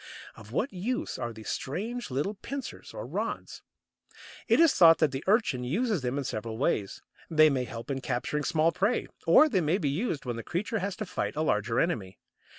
Of what use are these strange little pincers or rods? It is thought that the Urchin uses them in several ways. They may help in capturing small prey, or they may be used when the creature has to fight a larger enemy.